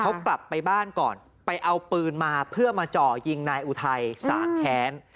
เขากลับไปบ้านก่อนไปเอาปืนมาเพื่อมาจ่อยิงนายอุทัยสามแค้น